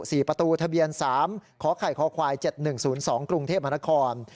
สี่ประตูทะเบียนสามขอไข่คอควายเจ็ดหนึ่งศูนย์สองกรุงเทพมหานคร